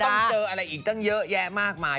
ต้องเจออะไรอีกตั้งเยอะแยะมากมาย